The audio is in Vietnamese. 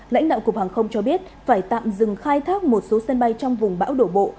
lãnh đạo cục hàng không cho biết phải tạm dừng khai thác một số sân bay trong vùng bão đổ bộ